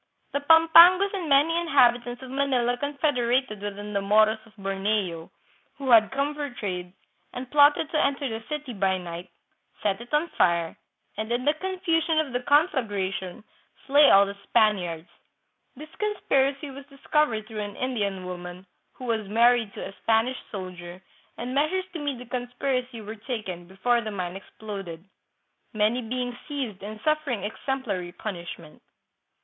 " The Pampangos and many inhabitants of Manila con federated with the Moros of .Borneo, who had come for THREE HUNDRED YEARS AGO. 163 trade, and plotted to enter the city by night, set it on fire, and, in the confusion of the conflagration, slay all the Spaniards. This conspiracy was discovered through an Indian woman, who was married to a Spanish soldier, and measures to meet the conspiracy were taken, before the mine exploded, many being seized and suffering ex emplary punishment.